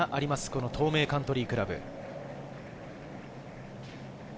この東名カントリークラブ。